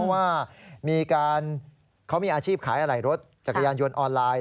เพราะว่ามีอาชีพขายหลายรถจักรยานยนต์ออนไลน์